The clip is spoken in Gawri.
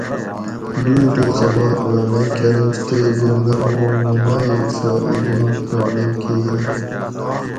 دوئ دوسہ باد گانڑے کرںش تے بردمو موں نایٔک سہۤ اۤ میش گانڑے کہ یاگ